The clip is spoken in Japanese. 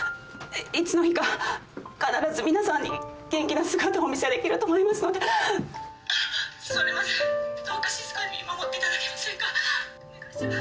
いつの日か必ず皆さんに元気な姿をお見せできると思いますのでそれまでどうか静かに見守っていただけませんか。